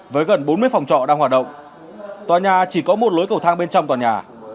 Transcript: với gần bốn mươi phòng trọ đang hoạt động tòa nhà chỉ có một lối cầu thang bên trong tòa nhà